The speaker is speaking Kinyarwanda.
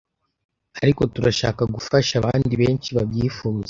Ariko turashaka gufasha abandi benshi babyifuza,